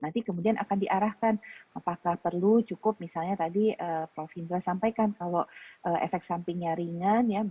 nanti kemudian akan diarahkan apakah perlu cukup misalnya tadi prof indra sampaikan kalau efek sampingnya ringan ya